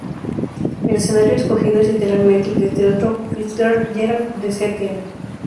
El escenario escogido es literalmente el del teatro Fitzgerald de St.